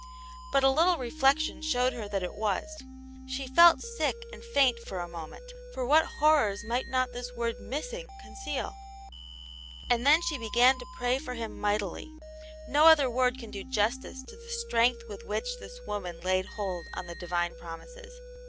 But a little reflection showed her that it was. She felt sick and .faint for a moment, for what horrors might not this word ''missing" cotvceaV^ Kivd llveti she Aunt Jane's Hero. 39 began to pray for him mightily — no other word can do justice to the strength with which this woman laid hold on the Divine promises.